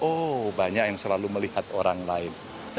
oh banyak yang selalu melihat orang lain